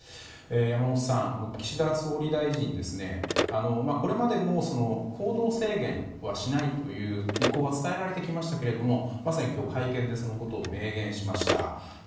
山本さん、岸田総理大臣はこれまでも行動制限はしないという意向は伝えられてきましたがまさに今日、会見でそのことを明言しました。